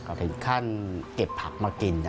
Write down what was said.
ก็ถึงขั้นเก็บผักมากิน